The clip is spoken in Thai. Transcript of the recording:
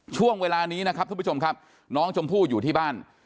ช่วงเวลานี้นะครับทุกผู้ชมครับน้องชมพู่อยู่ที่บ้าน